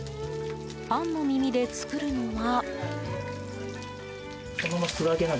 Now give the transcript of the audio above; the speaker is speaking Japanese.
パンの耳で作るのは。